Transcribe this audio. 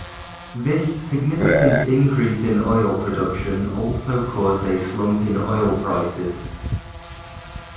This significant increase in oil production also caused a slump in oil prices.